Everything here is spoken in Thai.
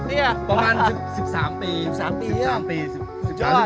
เนี้ยประมาณสิบสามปีสิบสามปีสิบสามปีสิบสามปี